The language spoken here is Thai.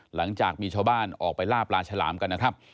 หลังจากมีชาวบ้านออกไปล่าปลาฉลามกันนะครับ